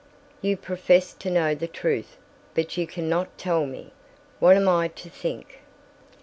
You profess to know the truth, but you can not tell me! What am I to think?"